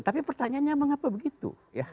tapi pertanyaannya mengapa begitu